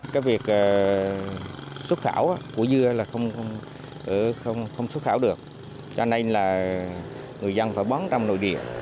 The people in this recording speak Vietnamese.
cái việc xuất khảo của dưa là không xuất khảo được cho nên là người dân phải bán trong nội địa